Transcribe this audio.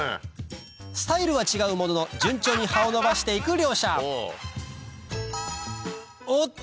スタイルは違うものの順調に葉を伸ばして行く両者おっと！